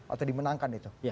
atau dimenangkan itu